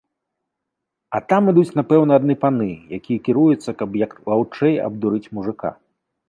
А там ідуць напэўна адны паны, якія кіруюцца, каб як лаўчэй абдурыць мужыка.